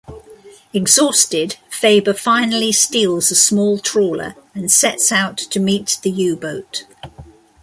Exhausted Faber finally steals a small trawler and sets out to meet the U-boat.